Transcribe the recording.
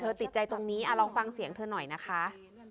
ติดใจตรงนี้ลองฟังเสียงเธอหน่อยนะคะ